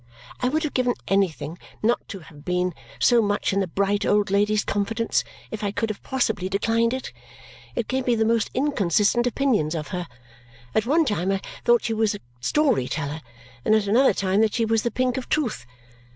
I would have given anything not to have been so much in the bright old lady's confidence if I could have possibly declined it. It gave me the most inconsistent opinions of her. At one time I thought she was a story teller, and at another time that she was the pink of truth.